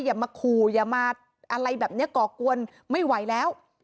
อย่ามาขู่อย่ามาอะไรแบบนี้ก่อกวนไม่ไหวแล้ว